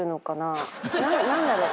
何だろう？